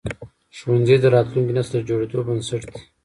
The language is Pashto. ښوونځي د راتلونکي نسل د جوړېدو بنسټ دي.